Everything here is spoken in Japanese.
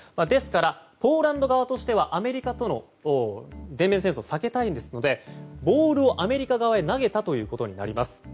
ですからポーランド側としてはアメリカとの全面戦争を避けたいですのでボールをアメリカ側に投げたということになります。